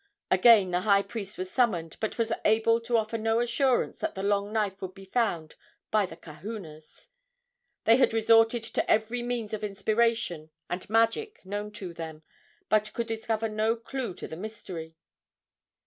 Again the high priest was summoned, but was able to offer no assurance that the long knife would be found by the kahunas. They had resorted to every means of inspiration and magic known to them, but could discover no clue to the mystery.